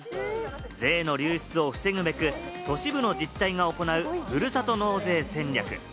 税の流出を防ぐべく、都市部の自治体が行う、ふるさと納税戦略。